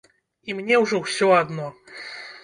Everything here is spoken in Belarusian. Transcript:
І мне ўжо ўсё адно.